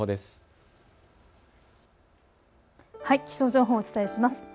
気象情報、お伝えします。